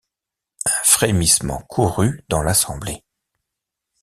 Un frémissement courut dans l’assemblée.